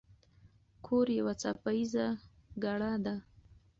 کور یوه څپه ایزه ګړه ده.